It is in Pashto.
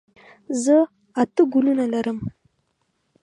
زه اته ګلونه لرم.